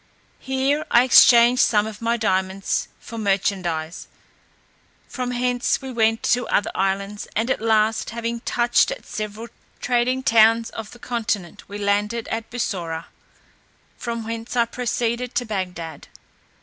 Here I exchanged some of my diamonds for merchandize. From hence we went to other islands, and at last, having touched at several trading towns of the continent, we landed at Bussorah, from whence I proceeded to Bagdad.